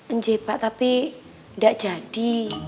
encik pak tapi gak jadi